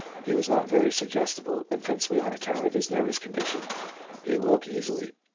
He was not very suggestible, and principally on account of his nervous condition he awoke easily.